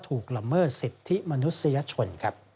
ละเมิดสิทธิมนุษยชน